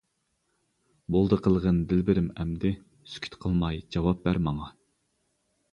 بولدى قىلغىن دىلبىرىم ئەمدى، سۈكۈت قىلماي جاۋاب بەر ماڭا.